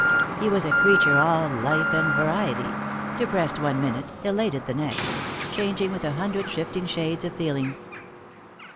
He was a creature all life and variety — depressed one minute, elated the next, changing with a hundred shifting shades of feeling.